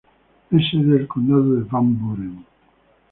Es sede del condado de Van Buren.